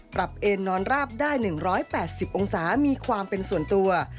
เอ็นนอนราบได้๑๘๐องศามีความเป็นส่วนตัว